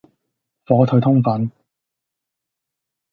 火腿通粉